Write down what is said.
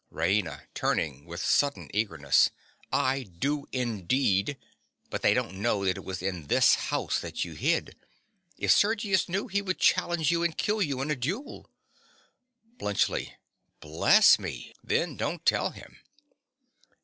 RAINA. (turning, with sudden earnestness). I do indeed. But they don't know that it was in this house that you hid. If Sergius knew, he would challenge you and kill you in a duel. BLUNTSCHLI. Bless me! then don't tell him.